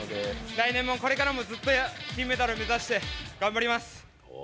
来年も、これからもずっと金メダル目指して、頑張ります。